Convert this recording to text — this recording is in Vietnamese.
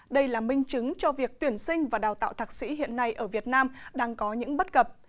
đây là minh chứng cho việc tuyển sinh và đào tạo thạc sĩ hiện nay ở việt nam đang có những bất cập